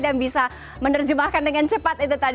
dan bisa menerjemahkan dengan cepat itu tadi